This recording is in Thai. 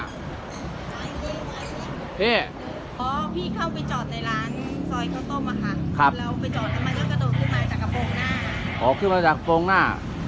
ครับแล้วไปจอดแล้วมันจะกระโดดขึ้นมาจากกระโปรงหน้าอ๋อขึ้นมาจากกระโปรงหน้า